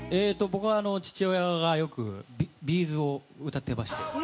僕は父親がよくＢ’ｚを歌っていました。